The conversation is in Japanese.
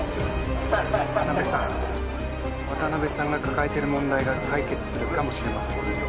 ・渡辺さん渡辺さんが抱えてる問題が解決するかもしれません。